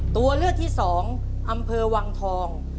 ตัวเลือกที่๒อำเภอวังทอง